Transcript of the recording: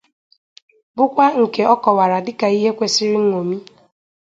bụkwa nke ọ kọwara dịka ihe kwesiri nñòmi.